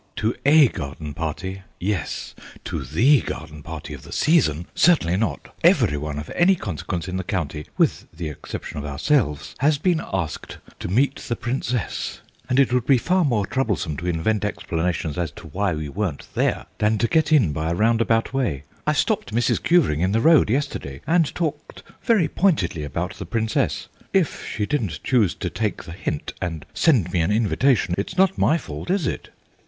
"To a garden party, yes; to the garden party of the season, certainly not. Every one of any consequence in the county, with the exception of ourselves, has been asked to meet the Princess, and it would be far more troublesome to invent explanations as to why we weren't there than to get in by a roundabout way. I stopped Mrs. Cuvering in the road yesterday and talked very pointedly about the Princess. If she didn't choose to take the hint and send me an invitation it's not my fault, is it?